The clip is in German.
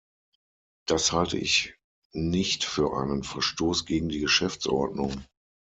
Das halte ich nicht für einen Verstoß gegen die Geschäftsordnung.